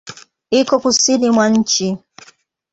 Iko Kusini mwa nchi.